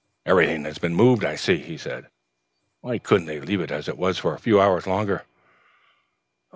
"Everything has been moved, I see," he said. "Why couldn't they leave it as it was for a few hours longer?"